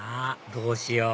どうしよう！